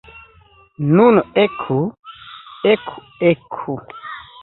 Nun eku, eku, eku!